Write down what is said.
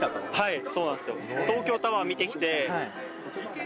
はい。